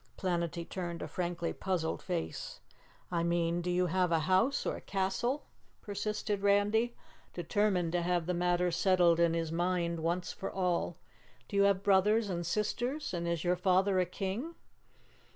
Planetty turned a frankly puzzled face. "I mean, do you have a house or a castle?" persisted Randy, determined to have the matter settled in his mind once for all. "Do you have brothers and sisters, and is your father a King?"